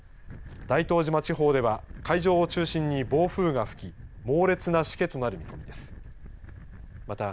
大東島地方では海上を中心に暴風が吹き猛烈なしけとなる見込みです。